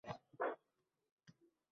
Ko`rpa-to`shak qilib o`ranib yotib oldim